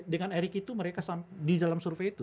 dengan erick itu mereka di dalam survei itu